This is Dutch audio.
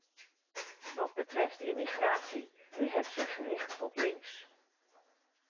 Wat betreft immigratie, u hebt zich gericht tot links.